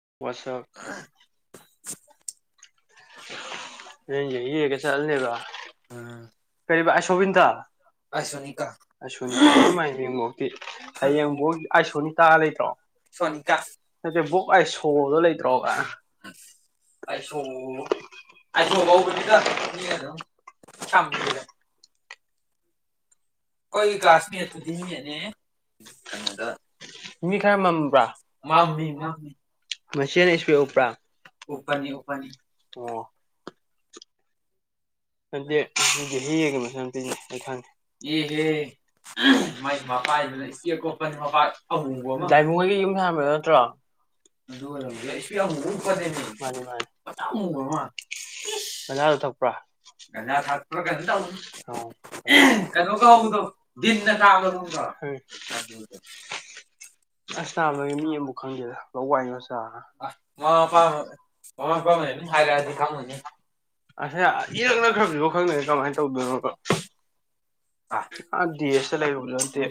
[unintelligible] ꯌꯦꯒ ꯆꯠꯂꯅꯦꯕ ꯎꯝ ꯀꯕꯥ ꯑꯥꯏꯁꯣꯕꯤꯟꯗ ꯑꯥꯏꯁꯣꯅꯤꯇꯥ ꯑꯁꯣꯅꯤꯇꯥꯒꯤ ꯃꯥꯏꯕꯡꯕꯣꯛꯗꯤꯤ ꯍꯌꯦꯡꯕꯣꯛ ꯑꯥꯏꯁꯣꯅꯤꯇꯥ ꯂꯩꯇ꯭ꯔꯣ ꯍꯥꯏꯗꯤꯦ ꯕꯣꯛ ꯑꯥꯏ ꯁꯣꯗꯣ ꯂꯩꯇ꯭ꯔꯣꯕ ꯑꯣ ꯑꯕꯕꯨꯕꯗꯤꯗ ꯀꯣꯏ ꯥꯁꯅꯤ ꯁꯤ ꯅꯅꯦ ꯃꯤ ꯈꯔ ꯃꯝꯕ꯭ꯔꯥꯃꯤꯃꯤ ꯃꯅ ꯏꯁꯄꯦ ꯎꯔꯥ ꯎꯅꯤ ꯎꯅꯤ ꯑꯣ ꯟꯗ ꯍꯦꯒ ꯃꯁ ꯌꯥꯝ ꯇꯤꯦ ꯑꯩ ꯈꯪꯗꯦ ꯏꯍꯦ ꯃ ꯃꯅꯥꯏꯕꯨꯡꯒꯒꯤ ꯌꯨꯝ ꯁꯥꯕꯗꯣ ꯅꯠꯇ꯭ꯔꯣ ꯨ ꯄꯔꯦ ꯃꯥꯅꯤ ꯃꯥ ꯊꯣꯛꯄ꯭ꯔꯥ ꯉꯖ ꯊꯥꯛꯄ꯭ꯔꯥ ꯀꯩꯅ ꯇꯗ ꯀꯩꯅꯣꯒ ꯍꯧꯗꯣ ꯗꯤꯟꯅ ꯊꯥꯕꯕ ꯑꯁ ꯇꯥ ꯂꯒꯦ ꯃꯤ ꯑꯃꯐꯕꯨꯛ ꯈꯪꯗꯦꯗ ꯂ ꯋꯥꯏꯉꯣ ꯁꯥꯥꯔ ꯑꯁ ꯃꯃꯥ ꯃꯄꯥ ꯃꯃꯥ ꯃꯄꯥꯅ ꯑꯗꯨꯝ ꯍꯥꯏꯔꯛꯑꯗꯤ ꯈꯪꯉꯨꯅꯤ ꯑꯗꯨꯅ ꯏꯔꯛꯅꯈ꯭ꯔꯕꯤꯕꯣ ꯈꯪꯗꯦ ꯀꯃꯥꯏꯅ ꯇꯧꯗꯣꯏꯅꯣꯕ ꯗꯤ ꯑꯦꯁꯇ ꯂꯩꯔꯨꯕꯁꯨ ꯅꯠꯇꯦ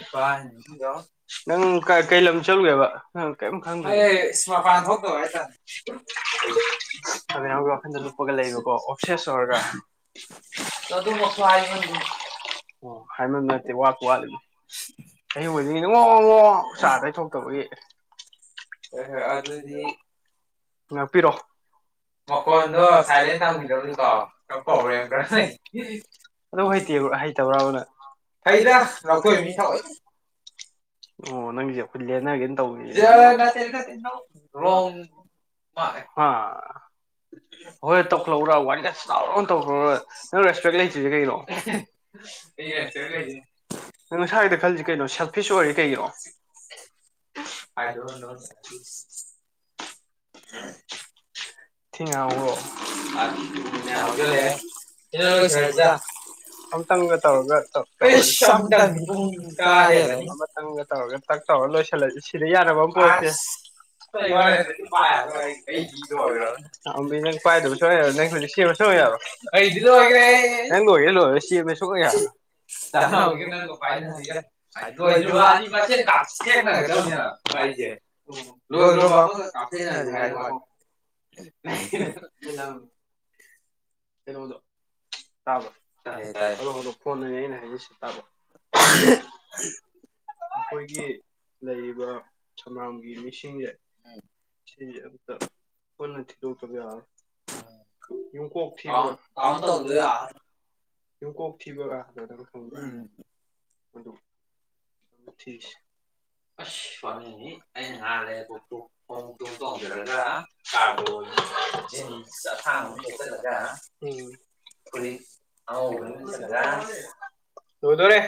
ꯅꯪ ꯀꯩ ꯂꯝ ꯆꯠꯂꯨꯒꯦꯕ ꯪ ꯀꯔꯤꯝ ꯈꯪꯗꯦ ꯑꯩ ꯃꯄꯥꯟ ꯊꯣꯛꯇꯕ ꯍꯥꯏꯇꯥꯔꯦ ꯂꯨꯞꯄꯒ ꯂꯩꯔꯣꯀꯣ ꯑꯣꯐꯁꯦꯁ ꯑꯣꯏꯔꯒ ꯑꯗꯨꯃꯛꯁꯨ ꯍꯥꯏꯃꯟꯗꯦ ꯑꯣ ꯍꯥꯏꯃꯟꯕ ꯅꯠꯇꯦ ꯋꯥꯠꯄꯨ ꯋꯥꯠꯂꯤꯅꯤ ꯑꯩꯌꯨꯗꯒꯤ ꯅꯉꯣ ꯉꯉꯣ ꯆꯥꯗꯩꯊꯣꯛꯇꯕꯒꯤ ꯍ ꯍꯣꯏ ꯑꯗꯨꯗꯤ ꯉꯥꯛꯄꯤꯔꯣ ꯃꯈꯣꯟꯗꯣ ꯁꯥꯏꯂꯦꯟ ꯇꯝꯈꯤꯗꯧꯅꯤꯀꯣ ꯅꯪ ꯄꯥꯋꯔ ꯌꯥꯝ ꯀꯟꯕꯩ ꯑꯗꯨ ꯍꯩꯇꯦꯕ ꯍꯩꯇꯕ꯭ꯔꯥꯕ ꯅꯥꯣꯏ ꯍꯩꯗ ꯂꯥꯛꯇꯣꯏ ꯃꯤ ꯊꯑꯣꯏ ꯑꯣ ꯅꯪꯒꯤꯁꯦ ꯑꯝꯇ ꯂꯦꯟꯅꯒꯦꯅ ꯇꯧꯕꯅꯤ ꯖꯣ ꯅꯠꯇꯦ ꯅꯠ ꯔꯣꯡ ꯄꯥꯈꯩ ꯑꯥ ꯍꯣꯏ ꯇꯧꯈꯠꯂꯛꯎꯔ ꯋꯥꯅꯦꯁ ꯆꯥꯎꯥꯎꯔꯣꯅ ꯇꯧꯈ꯭ꯔꯔ ꯅꯪ ꯔꯦꯁꯄꯦꯛ ꯂꯩꯇ꯭ꯔꯤꯁꯦ ꯀꯩꯅꯣ ꯑꯩꯍꯥꯟ ꯆꯪꯖꯒꯦ ꯅ ꯅꯁꯥꯒꯤꯗ ꯈꯜꯂꯤꯁꯦ ꯀꯩꯅꯣ ꯁꯦꯜꯐꯤꯁ ꯑꯣꯏꯔꯦ ꯀꯩꯩꯅꯣ ꯑꯥꯏ ꯗꯣ ꯅꯣ [inaudible] ꯒꯦ ꯂꯣꯏꯁꯤ ꯔꯦꯗ ꯒ ꯇꯧꯔꯒ ꯍꯦꯜꯂꯅꯤ ꯑꯃꯇꯪꯒ ꯇꯧꯔꯒ ꯇꯛ ꯇꯧꯔꯒ ꯂꯣꯏꯁꯤ ꯂꯣꯏꯁꯤꯜꯂꯁꯤ ꯁꯤꯗ ꯌꯥꯅꯕ ꯑꯃ ꯄꯨꯔꯛꯁꯦ ꯑꯁ ꯑꯝꯕꯤ ꯅꯪ ꯄꯥꯏꯗꯕꯁꯨꯨ ꯌꯥꯔꯣ ꯅꯪ ꯁꯦꯝꯕꯁꯨꯨ ꯌꯥꯔꯣ ꯑꯩꯗꯤ ꯂꯣꯏꯒ꯭ꯔꯦ ꯅꯪ ꯂꯣꯏꯒꯦꯔ ꯂꯣꯏꯔꯣꯏ ꯁꯦꯝꯕ ꯁꯨꯌꯥ ꯌꯔꯣꯏ ꯇꯅꯥꯎꯕꯤꯒ ꯅꯪꯒ ꯄꯥꯏꯅꯔꯒ ꯂꯣꯏꯗ꯭ꯔꯤꯕ ꯑꯅꯤ ꯃꯁꯦꯟ ꯀꯥꯞꯇꯦꯛꯅꯒꯗꯕꯅꯦꯕ ꯑꯩꯖꯦ ꯂꯣꯏꯒ꯭ꯔꯕꯦꫪꯣ ꯑꯃꯒ ꯀꯥꯞꯊꯦꯛꯅꯒ꯭ꯔꯦ ꯍꯥꯏꯌꯣ [unintelligible] ꯀꯩꯅꯣꯗꯣ ꯇꯥꯕꯔꯣ ꯇꯥꯏ ꯇꯥꯏ ꯍꯂꯣ ꯍꯂꯣ ꯐꯣꯟꯗꯅꯤ ꯑꯩꯅ ꯍꯥꯏꯅꯩꯁꯤ ꯇꯥꯕ꯭ꯔꯣ [unintelligible] ꯑꯩꯈꯣꯏꯒꯤ ꯂꯩꯔꯤꯕ ꯃꯌꯥꯝꯒꯤ ꯃꯤꯁꯤꯡꯁꯦ ꯁꯤꯁꯦ ꯑꯝꯇ ꯄꯨꯟꯅ ꯊꯤꯗꯣꯛꯇꯕ ꯌꯥꯔꯔꯣꯏ ꯌꯨꯝꯀꯣꯛ ꯊꯤꯕ ꯀꯥꯎꯟ ꯇꯧꯗ ꯌꯔꯔꯣꯏ ꯌꯨꯝꯀꯣꯛ ꯊꯤꯕꯒ ꯎꯝ [unintelligible] [unintelligible] ꯖꯤꯟꯁ ꯑꯁꯥꯡꯕ ꯑꯃ ꯁꯦꯠꯆꯤꯜꯂꯒ ꯎꯝ ꯐꯨꯔꯤꯠ ꯑꯉꯧꯕ ꯑꯃ ꯂꯤꯠꯁꯤꯜꯂꯒ ꯂꯣꯏꯗꯧꯔꯦ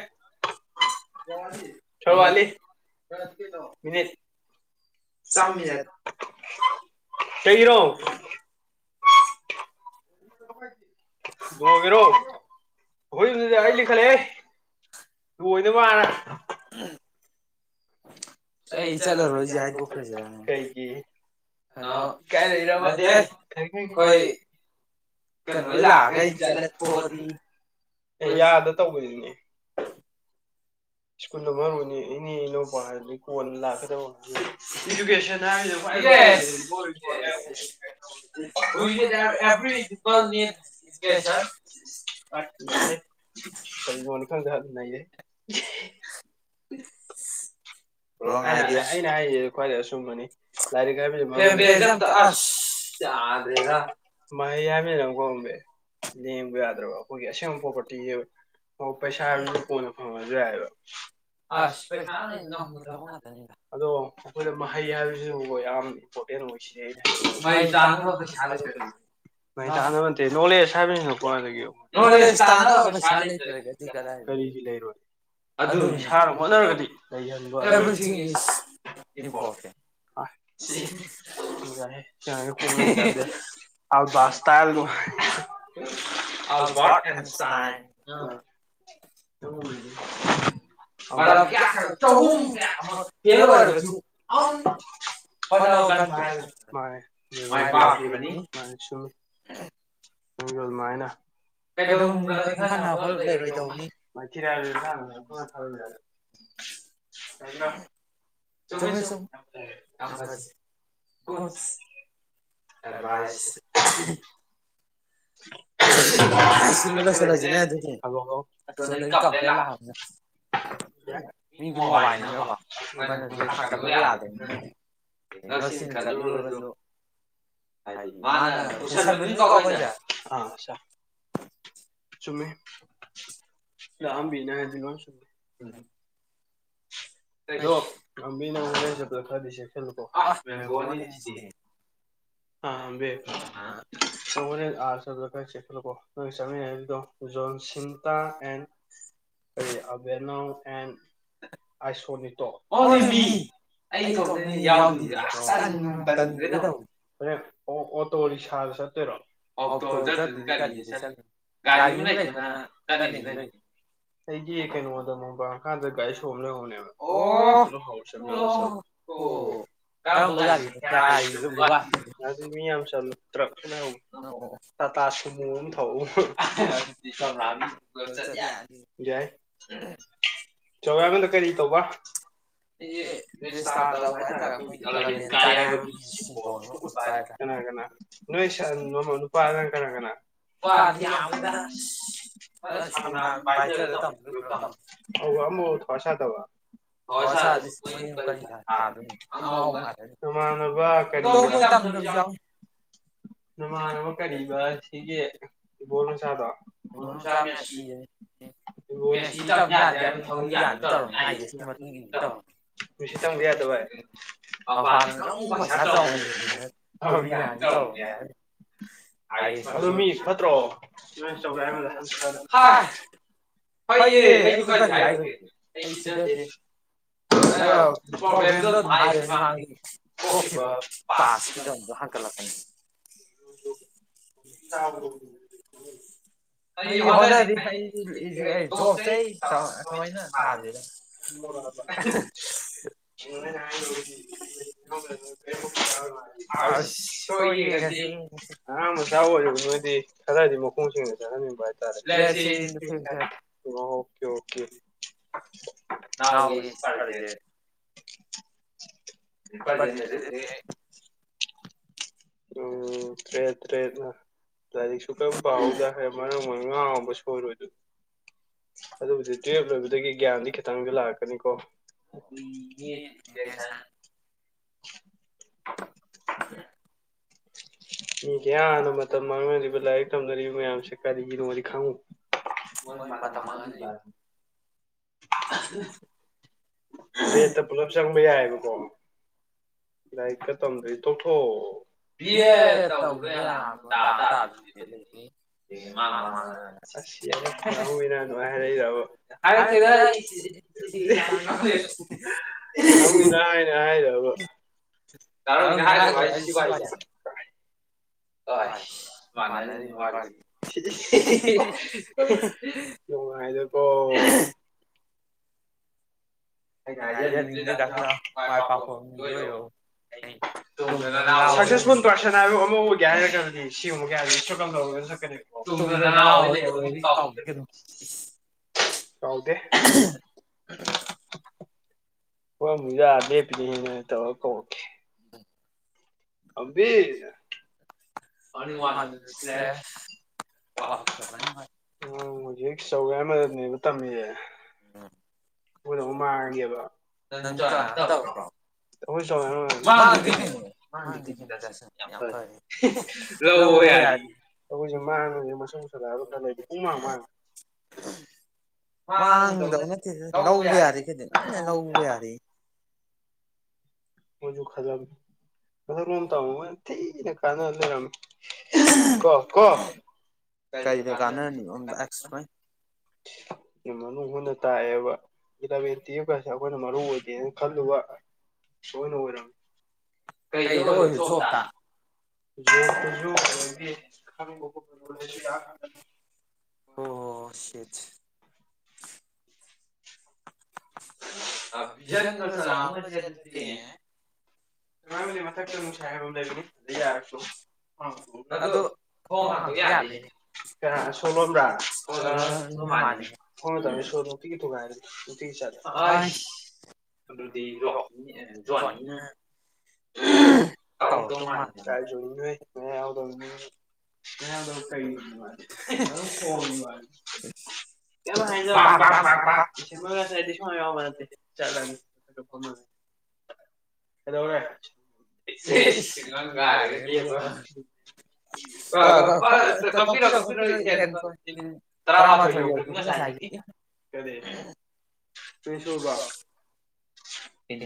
ꯈꯔ ꯋꯥꯠꯂꯤ ꯃꯤꯅꯤꯠ ꯆꯡꯅꯤꯌꯦ ꯀꯩꯒꯤꯅꯣ ꯔꯣꯏꯒꯦꯔꯣ ꯏꯈꯣꯏ ꯂꯣꯏꯔꯦ ꯑꯩ ꯂꯤꯈꯠꯂꯦ [unintelligible] ꯑꯩ ꯆꯠꯂꯔꯣꯏꯁꯦ ꯍꯥꯏꯗꯣꯛꯈ꯭ꯔꯁꯤꯔ ꯀꯩꯒꯤ ꯍꯣꯜꯂꯣ ꯀꯥꯏꯔꯛ ꯏꯔꯣꯕ ꯅꯠꯇꯦꯍꯦ ꯈꯪꯉꯦ ꯈꯪꯉꯦ ꯈꯣꯏ ꯀꯩ ꯅꯣ ꯍꯣꯏ ꯂꯥꯛ ꯑꯃꯒ ꯑꯩ ꯆꯠ ꯂꯊꯣꯛ ꯑꯗꯤ ꯑꯦ ꯌꯥꯗ ꯇꯧꯕꯅꯤꯅꯦ ꯁꯀꯨꯜꯅ ꯄꯥꯏꯔꯝꯒꯅꯤꯌꯦ ꯏꯅꯦ ꯏꯅꯥꯎꯄꯥ ꯍꯥꯏꯔꯅꯤ ꯀꯣꯟꯅ ꯂꯥꯛꯀꯗꯕ ꯏꯗꯨꯀꯦꯁꯟ ꯍꯥꯏꯔꯤꯖꯦ ꯈ꯭ꯋꯥꯏ [unintelligible] ꯀꯦ ꯁꯥ꯭ꯔꯁ ꯑꯦ ꯀꯩꯅꯣꯗꯤ ꯈꯪꯗꯦ ꯅꯩꯔꯦꯍꯦ [unintelligible] ꯑꯩꯅ ꯑꯩꯅ ꯍꯥꯏꯔꯤꯁꯤ ꯈ꯭ꯋꯥꯏ ꯑꯆꯨꯝꯕꯅꯤ ꯂꯥꯏꯔꯤꯛ ꯍꯥꯏꯕꯖꯤꯃꯛ ꯇꯦꯟ ꯕꯦꯁꯦ ꯑꯝꯇ ꯑꯁ ꯌꯥꯗ꯭ꯔꯦꯗ [unintelligible] ꯂꯦꯡꯕ ꯌꯥꯗ꯭ꯔꯕ ꯑꯩꯈꯣꯏꯒꯤ ꯑꯁꯦꯡꯕ ꯄ꯭ꯔꯣꯄꯔꯇꯤꯅꯦꯕ ꯑꯣ ꯄꯩꯁꯥꯗꯣ ꯀꯣꯟꯅ ꯐꯪꯉꯁꯨ ꯌꯥꯏ ꯍꯥꯢꯕ ꯑꯁ ꯄꯩꯁꯥꯅ ꯉꯝꯕ ꯊꯕꯛ ꯉꯥꯛꯇꯅꯤꯗ ꯑꯗꯣ ꯑꯩꯈꯣꯏꯗ ꯃꯍꯩ ꯍꯥꯏꯕꯁꯤꯗꯕꯨ ꯌꯥꯝ ꯏꯝꯄꯣꯔꯇꯦꯟ ꯑꯣꯏꯁꯤꯅꯦ ꯑꯩꯅ ꯍꯥꯢ ꯃꯍꯩ ꯇꯥꯟꯅꯕ ꯄꯩꯁꯥ ꯂꯩ [unintelligible] ꯃꯍꯩ ꯇꯥꯟꯅꯕ ꯅꯠꯇꯦ ꯅꯣꯂꯦꯗꯖ ꯍꯥꯢꯕꯅꯦ ꯅꯨꯄꯥ ꯗꯒ꯭ꯌꯨ ꯅꯣꯂꯦꯗꯖ ꯇꯥꯟꯅꯕ ꯄꯩꯁꯥ ꯂꯩꯇꯔꯦ ꯀꯔꯤꯒꯤ ꯂꯩꯔꯣꯏ ꯑꯗꯨ ꯢꯁꯥꯅ ꯍꯣꯠꯅꯔꯒꯗꯤ ꯂꯩꯒꯟꯕ ꯑꯦꯚ꯭ꯔꯤꯊꯤꯡ ꯏꯁ [unintelligible] ꯑꯥꯎꯕ ꯁ꯭ꯇꯥꯢꯜ ꯗꯣ ꯑꯜꯕꯔꯠ ꯑꯦꯟꯁꯇꯥꯏꯟ ꯑꯗꯨꯒꯨꯝꯕꯗꯨꯗꯤ [unintelligible] ꯆꯍꯨꯝ ꯀꯌꯥꯅꯣꯃ ꯐꯦꯜ ꯑꯣꯏꯔꯕꯁꯤꯕꯨ ꯑꯎꯝ ꯇꯧ ꯍꯣꯠꯅꯕ ꯀꯟꯕ ꯍꯥꯢꯒ ꯃꯥꯅꯦ ꯃꯥꯢ ꯄꯥꯛꯈꯤꯕꯅꯤ ꯃꯥꯅꯦ ꯆꯨꯝꯃꯦ ꯅꯪꯖꯨ ꯑꯗꯨꯃꯥꯢꯅ [unintelligible] ꯆꯨꯝꯃꯦ ꯆꯨꯝꯃꯦ ꯆꯨꯝ ꯌꯥꯝ ꯐꯖꯩ ꯑꯦꯗꯚꯥꯏꯁ [inaudible] ꯂꯣꯢꯁꯜꯂꯁꯤꯅꯦ ꯑꯗꯨꯗꯤ ꯊꯕ ꯀꯥꯎ ꯑꯁꯣꯝꯗꯩ ꯀꯝꯄꯦꯟ ꯂꯥꯛ [unintelligible] ꯉꯁꯤꯟ ꯈꯠꯂꯨꯔꯣꯢꯗ꯭ꯔꯣ ꯍꯥꯏꯗꯨ ꯃꯥꯅ ꯄꯨꯁꯟꯕꯅꯤꯅꯀꯣ ꯑꯩꯈꯣꯏꯁꯦ ꯑꯥ ꯆꯥ ꯆꯝꯃꯤ ꯂꯥꯛꯑꯝꯕꯤꯅ ꯑꯖꯤꯅ [inaudible] ꯑꯩꯗꯣ ꯂꯝꯕꯤ ꯂꯝ ꯆꯠꯄꯗ ꯈꯔꯗꯤ ꯆꯦꯛꯁꯜꯂꯨꯀꯣ ꯑꯥ ꯕꯦꯡꯒꯣꯜ ꯂꯩꯔꯤꯁꯤꯗꯤ ꯑꯥ ꯕꯦ ꯑꯥ ꯑꯗꯣ ꯍꯨꯔꯦꯟ ꯑꯥ ꯆꯠꯄꯗ ꯈꯔ ꯆꯦꯛꯁꯜꯂꯣꯀꯣ ꯅꯣꯏꯒꯤ ꯆꯠꯃꯤꯟꯅꯩ ꯃꯤꯗꯣ ꯖꯣꯟ ꯁꯤꯟꯇꯥꯡ ꯑꯦꯟ ꯀꯔꯤ ꯑꯕꯗꯦꯠꯅꯥꯎ ꯑꯦꯟ ꯑꯥꯏꯁꯣꯅꯤꯇꯣ ꯀꯣꯟ ꯍꯦ ꯃꯤ ꯑꯩ ꯏꯇꯣꯝꯇꯅꯤꯅꯦ ꯌꯥꯎꯗꯣꯢꯁꯦ ꯑꯁ ꯇꯟꯕꯨ ꯇꯜꯒ꯭ꯔꯦ ꯇꯧꯋꯤꯖꯦ ꯍꯣꯔꯦꯟ ꯑꯣ ꯑꯣꯇꯣ ꯔꯤꯛꯁꯥꯗ ꯆꯠꯇꯣꯏꯔꯣ ꯑꯣꯇꯣꯗ ꯆꯠꯇ꯭ꯔꯗꯤ ꯀꯔꯤꯗ ꯆꯠ ꯒꯥꯔꯤ ꯑꯝ ꯂꯩꯗꯅ ꯆꯠꯅꯤꯁꯨ ꯂꯩ ꯑꯩꯒꯤ ꯀꯩꯅꯣꯗ ꯃꯣꯝꯄꯥꯛ ꯃꯈꯥꯗ ꯒꯥꯔꯤ ꯁꯣ ꯑꯝ ꯂꯩꯍ ꯑꯣ ꯅꯣ ꯑꯣ ꯀꯔꯝꯕ ꯒꯥꯔꯤꯗꯅꯣ ꯐꯦꯔꯥꯔꯤꯔꯣ ꯕꯨꯒꯥꯇꯤꯔꯣ ꯒꯥꯔꯤ ꯃꯤ ꯌꯥꯝ ꯆꯜꯂꯣꯢ ꯇ꯭ꯔꯛ ꯑꯝ ꯂꯩꯍꯧ ꯅꯪ ꯀꯣꯛ ꯇꯥꯇꯥ ꯁꯨꯃꯨ ꯑꯝ ꯊꯎ ꯍꯥ ꯑꯗꯨꯗꯤ ꯒꯒꯥ ꯑꯝ ꯄꯨꯂꯞ ꯆꯠ ꯌꯥꯢ ꯌꯥꯢ ꯎꯝ ꯖꯧꯒꯥ ꯑꯝꯗ ꯀꯔꯤ ꯇꯧꯕ ꯍꯥꯢꯗꯤ ꯔꯤꯁꯇꯥꯔ ꯇꯧꯕ ꯍꯥꯢꯇꯥꯔꯦ ꯑꯩꯈꯣꯢꯒꯤ ꯑꯂꯕꯦꯟ ꯀꯥꯔꯦ ꯍꯥꯢꯕꯒꯤ ꯁꯤꯝꯕꯣꯜꯗꯣ ꯎꯠꯄ ꯍꯥꯢ ꯀꯅꯥ ꯀꯅꯥ ꯅꯣꯢ ꯁꯟ ꯅꯣ ꯅꯨꯄꯥꯗ ꯀꯅꯥ ꯀꯅꯥ ꯅꯨꯄꯥꯗꯤ ꯌꯥꯝ [unintelligible] ꯍꯣꯢ ꯁꯪꯒ꯭ꯔꯥꯝ ꯄꯥꯢꯁꯤꯟꯂ ꯊꯝꯒꯦ ꯊꯝ [unintelligible] ꯐ꯭ꯔꯁ ꯌꯥꯗꯕ [unintelligible] ꯅꯃꯥꯟꯅꯕ ꯀꯔꯤꯑꯕ ꯃꯇꯝꯁꯨ ꯌꯥꯎꯏ ꯅꯃꯥꯟꯅꯕ ꯀꯔꯤꯕ ꯁꯤꯒꯤ ꯢꯕꯣꯜ ꯆꯥꯗꯣ ꯃꯅꯨꯡꯆꯥ ꯃꯦꯁꯤ ꯃꯦꯁꯤꯗ ꯇꯝ ꯌꯥꯗꯦ ꯍꯥꯏꯕꯩ ꯊꯧꯔꯤ ꯌꯥꯟ ꯇꯧꯔꯝꯅꯤ ꯍꯥꯢꯔꯤꯁꯤꯅ ꯇꯧ ꯀꯩꯁꯨ ꯇꯧꯕ ꯌꯥꯗ ꯚꯥꯢ ꯃꯄꯥꯟꯗ ꯑꯗꯨꯝ ꯐꯛ ꯊꯥꯔ ꯇꯧꯕꯅꯦ [unintelligible] ꯇꯧꯃꯤꯍꯥꯢ ꯑꯥꯢ ꯑꯦ ꯑꯦꯁ ꯑꯗꯨ ꯃꯤ ꯐꯠꯇ꯭ꯔꯣ ꯇꯧꯋꯦ ꯍꯥꯢ ꯍꯥ ꯐꯩꯌꯦ ꯑꯩꯖꯨ ꯀꯔꯤ ꯍꯥꯢꯈ꯭ꯔꯒꯦ ꯑꯩ ꯁꯤꯗꯗꯦ ꯑꯩꯅ ꯄ꯭ꯔꯣꯕ꯭ꯂꯦꯝꯗꯣ ꯑꯗꯨꯝ ꯍꯥꯏꯕꯅꯤ ꯃꯥꯒꯤ ꯊꯣꯛꯈꯤꯕ ꯄꯥꯁꯀꯤꯗꯪꯗꯣ ꯃꯥꯅ ꯀꯂꯛꯄꯅꯤ [inaudible] [unintelligible] ꯑꯩ ꯍꯣꯇꯦꯜ [unintelligible] [unintelligible] [unintelligible] ꯑꯁ ꯁꯣꯢꯌꯦ ꯉꯁꯤ ꯑꯉꯥꯡ ꯃꯆꯥ ꯑꯣꯢꯔꯨꯕ ꯅꯣꯢꯗꯤ ꯊꯥꯒꯠ ꯈꯔꯗꯤ ꯃꯈꯣꯡ ꯁꯦꯡꯅ ꯆꯠꯍꯟꯅꯤꯡꯕ ꯍꯥꯏꯇꯥꯔꯦ ꯑꯣꯀꯦ ꯑꯣꯀꯦ ꯅꯥꯎ ꯏꯁ ꯄꯔꯖꯦꯟ ꯁꯤ ꯄꯔꯖꯦꯟꯗꯗꯤ ꯁꯤꯊꯦ ꯎꯝ ꯇ꯭ꯔꯦꯠ ꯇ꯭ꯔꯦꯠꯅ ꯂꯥꯏꯔꯤꯛꯁꯨ ꯀꯔꯝ ꯄꯥꯎꯍꯧꯗ ꯍꯌꯦꯡ [unintelligible] ꯑꯉꯥꯎꯕ ꯁꯣꯢꯔꯣꯢꯗꯣ ꯑꯗꯨꯕꯨꯗꯤ ꯇꯨꯋꯦꯜꯞ ꯂꯣꯏꯕꯗꯒꯤ ꯒ꯭ꯌꯥꯟꯗꯤ ꯈꯤꯇꯪꯗꯤ ꯂꯥꯛꯀꯅꯤꯀꯣ [unintelligible] [inaudible] ꯃꯤ ꯀꯌꯥꯗ ꯃꯇꯝ ꯃꯥꯡꯅꯔꯤꯕ ꯂꯥꯏꯔꯤꯛ ꯇꯝꯅꯔꯤꯕ ꯃꯌꯥꯝ ꯀꯔꯤꯒꯤꯅꯣꯗꯤ ꯈꯪ ꯃꯣꯢ ꯃꯇꯝ ꯃꯥꯡꯍꯜꯂꯤꯕꯗꯨꯅꯤ [unintelligible] ꯔꯦꯠꯇ ꯄꯨꯂꯞ ꯆꯪꯕ ꯌꯥꯏꯌꯦꯕꯀꯣ ꯂꯥꯏꯔꯤꯛꯇ ꯇꯝꯗ꯭ꯔꯗꯤ ꯇꯣꯛꯊꯣꯛꯑꯣ ꯕꯤ ꯑꯦ ꯇꯧꯔꯨꯔꯦ ꯑꯔꯥꯟꯕ ꯇꯥ [unintelligible] ꯑꯁ ꯌꯥꯔꯦ ꯄꯦꯅꯥꯎꯕꯤꯅ ꯑꯗꯨꯃꯥꯢ ꯍꯥꯢꯔꯛꯏꯔꯕ ꯍꯥꯢꯔꯛꯇꯦꯗ ꯏꯁ [unintelligible] ꯗꯥꯎꯕꯤꯅ ꯍꯥꯏꯅ ꯍꯥꯏꯔꯕ ꯗꯥ ꯔꯣꯅꯤꯅ ꯍꯥꯢꯒ꯭ꯔꯣ ꯍꯥꯢꯁꯦ ꯁꯤ ꯋꯥꯔꯤꯖꯦ ꯑꯣꯏꯁ ꯃꯅꯔꯤꯅꯦ ꯋꯥꯔꯤꯁꯦ [unintelligible] ꯅꯨꯉꯥꯏꯗꯀꯣ ꯑꯩꯅ ꯍꯥꯏꯖꯅꯤꯡꯉꯤꯗꯤ ꯗꯥ [unintelligible] ꯃꯥꯢ ꯄꯥꯛꯄ ꯂꯣꯢꯌꯣ ꯇꯨꯡꯗ ꯅꯅꯥꯎ ꯁꯛꯁꯦꯁꯐꯨꯜ ꯄꯥꯔꯁꯟ ꯍꯥꯏꯕ ꯑꯃ ꯑꯣꯏꯒꯦ ꯍꯥꯏꯔꯒꯗꯤ ꯁꯤꯒꯨꯝꯕ ꯀꯌꯥꯁꯤ ꯁ꯭ꯇ꯭ꯔꯒꯜ ꯇꯧꯔ ꯆꯠꯀꯅꯤ ꯇꯨꯡꯗ ꯅꯅꯥꯎ ꯑꯩ ꯂꯩꯍꯧꯔꯤ ꯁꯤ ꯀꯥꯎꯕꯤꯒꯅꯣ ꯀꯥꯎꯗꯦ [inaudible] [unintelligible] ꯂꯦꯞꯄꯤꯅꯦꯅ ꯇꯧꯔ ꯀꯧꯔꯛꯀꯦ ꯑꯝꯕꯤꯔ [unintelligible] ꯆꯧ ꯌꯥꯏꯃꯗꯅꯦꯕ ꯇꯝꯃꯤꯖꯦ [inaudible] ꯈꯣꯏꯗꯧꯅ ꯃꯥꯡꯉꯒꯦꯕ [unintelligible] ꯑꯈꯣꯏ ꯆꯧꯌꯥꯏꯃ [unintelligible] ꯂꯧꯋꯣ ꯌꯥꯔꯤ ꯑꯈꯣꯏꯁꯦ ꯃꯥꯡꯉꯕꯅꯦ ꯃꯨꯁꯨꯛ ꯃꯨꯁꯜꯂꯛꯑꯒ ꯈꯔ ꯂꯩꯗꯤ ꯄꯨꯡꯃꯥꯡ ꯃꯥꯡ [inaudible] ꯃꯥꯡꯗꯧꯅ ꯂꯧꯕ ꯌꯥꯔꯤꯁꯤꯅꯤ [unintelligible] ꯈꯣꯢꯖꯨ ꯈꯜꯂꯝꯃꯦ [unintelligible] ꯊꯤꯅ ꯀꯥꯟꯅ ꯂꯩꯔꯝꯃꯦ [unintelligible] ꯀꯣ ꯀꯣ ꯀꯩꯅꯣ ꯀꯥꯟꯅꯔꯤꯅꯣ ꯌꯥ ꯃꯅꯨꯡ ꯍꯨꯠꯅ ꯇꯥꯛꯑꯦꯕ ꯏꯂꯕꯦꯟ ꯇꯨꯋꯦꯜꯞ ꯀꯥꯁꯦ ꯈꯣꯏꯅ ꯃꯔꯨ ꯑꯣꯏꯗꯦꯅ ꯈꯜꯂꯨꯕ ꯢꯁꯣꯔꯅ ꯑꯣꯏꯔꯝ ꯀꯩꯗ ꯑꯣꯏ [unintelligible] ꯑꯗꯒꯤ ꯈꯪꯕ ꯈꯣ [unintelligible] ꯑꯣ ꯁꯤꯠ [unintelligible] ꯉꯥꯛꯂꯩꯔ ꯃꯊꯛꯇ ꯅꯨꯡꯁꯥ ꯌꯥꯢꯕꯝ ꯂꯩꯕꯅꯤ ꯑꯗꯨꯗ ꯌꯥꯏꯔꯨꯆꯣ ꯑꯪ ꯑꯗꯣ ꯊꯣꯡ ꯍꯥꯡꯇꯣꯛ ꯌꯥꯗꯦꯅꯦ ꯀꯅꯥ ꯁꯣ ꯂꯣꯟꯕ꯭ꯔꯥ [inaudible] ꯂꯣꯟꯕ ꯃꯥꯜꯂꯤꯅꯦ [unintelligible] [unintelligible] ꯊꯨꯒꯥꯏꯔꯅꯤ ꯅꯨꯄꯤ ꯗꯠ ꯑꯥꯏꯁ ꯑꯗꯨꯗꯤ [unintelligible] ꯑꯥꯎ ꯇꯣꯉꯥꯟ ꯆꯥꯏ [unintelligible] ꯅꯌꯥꯝꯕ ꯀꯩ ꯃꯥꯜꯂꯤ ꯑꯗꯨꯝ ꯇꯣꯡꯉꯤꯕ [unintelligible] ꯀꯗꯧꯔꯒꯦ ꯏꯁ ꯏꯁ [unintelligible] ꯀꯥꯗꯒ ꯂꯦꯞꯄꯒ ꯄꯥꯒ ꯄꯠ ꯀꯛꯄꯤꯔꯣ ꯀꯛꯄꯤꯔꯣ [unintelligible] ꯇ꯭ꯔꯥꯃꯊꯣꯏ ꯌꯧꯒ꯭ꯔꯝꯅꯤ ꯉꯁꯥꯏꯖꯨ ꯏꯟ [unintelligible] ꯐꯤ ꯁꯨꯕ꯭ꯔ [inaudible] ꯏꯟ